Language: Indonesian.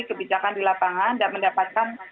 kebijakan di lapangan dan mendapatkan